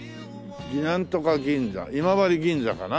なんとか銀座今治銀座かな？